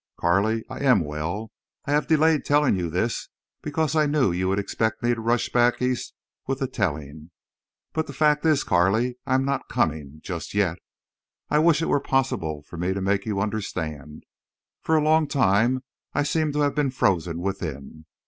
Carley, I am well. I have delayed telling you this because I knew you would expect me to rush back East with the telling. But—the fact is, Carley, I am not coming—just yet. I wish it were possible for me to make you understand. For a long time I seem to have been frozen within.